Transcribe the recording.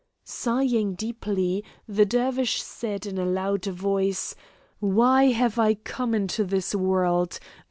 Sighing deeply, the Dervish said in a loud voice, "Why have I come into this world?